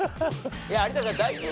いや有田さん大丈夫よ。